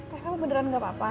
eh kamu beneran gak apa apa